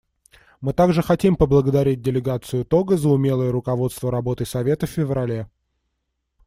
Мы также хотим поблагодарить делегацию Того за умелое руководство работой Совета в феврале.